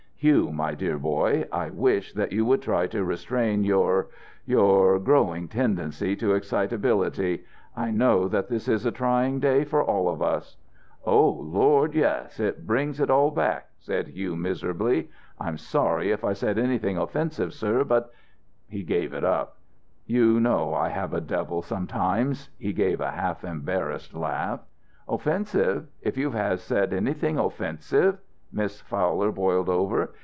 Hugh, my dear boy, I wish that you would try to restrain your your growing tendency to excitability. I know that this is a trying day for all of us." "O Lord, yes! It brings it all back," said Hugh, miserably. "I'm sorry if I said anything offensive sir, but " He gave it up. "You know I have a devil, sometimes." He gave a half embarrassed laugh. "Offensive if you have said anything offensive?" Miss Fowler boiled over.